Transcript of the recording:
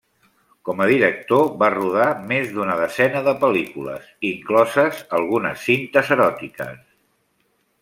Com a director va rodar més d'una desena de pel·lícules, incloses algunes cintes eròtiques.